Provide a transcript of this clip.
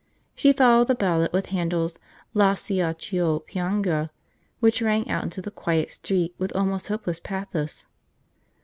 She followed the ballad with Handel's 'Lascia ch'io pianga,' which rang out into the quiet street with almost hopeless pathos.